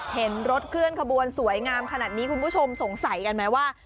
เห็นรถเคลื่อนขบวนสวยงามขนาดนี้คุณผู้ชมสงสัยกันไหมว่า